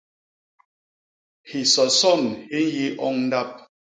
Hisoson hi nyi oñ ndap.